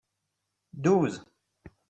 douze.